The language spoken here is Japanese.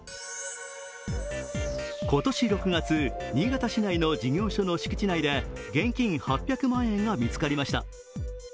今年６月、新潟市内の事業所の敷地内で現金８００万円が見つかりました。